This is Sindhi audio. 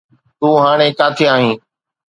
تون هاڻي ڪاٿي آهين؟